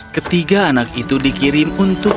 ketiga anak itu dikirim untuk